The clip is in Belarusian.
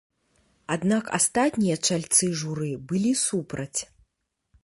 Аднак астатнія чальцы журы былі супраць.